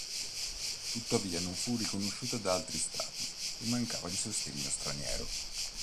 Tuttavia non fu riconosciuta da altri stati e mancava di sostegno straniero.